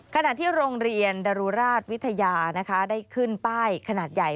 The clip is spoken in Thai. ขณะที่โรงเรียนดรุราชวิทยาได้ขึ้นป้ายขนาดใหญ่